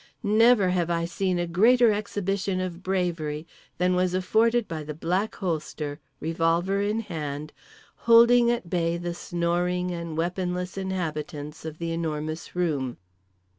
Never have I seen a greater exhibition of bravery than was afforded by The Black Holster, revolver in hand, holding at bay the snoring and weaponless inhabitants of The Enormous Room.